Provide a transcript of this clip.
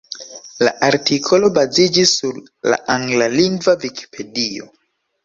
La artikolo baziĝis sur la anglalingva Vikipedio.